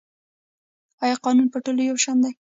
آیا قانون په ټولو یو شان دی؟